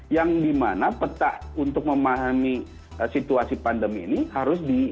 yang dimana peta untuk memahami situasi pandemi ini harus di